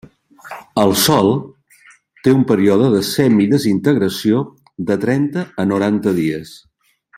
Al sòl té un període de semidesintegració de trenta a noranta dies.